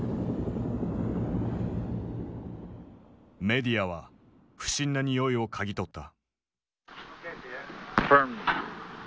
メディアは不審なにおいを嗅ぎ取った。